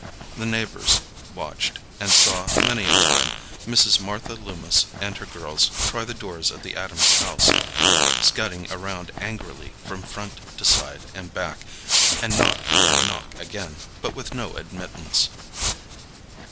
The neighbors watched, and saw, many a time, Mrs. Martha Loomis and her girls try the doors of the Adams house, scudding around angrily from front to side and back, and knock and knock again, but with no admittance.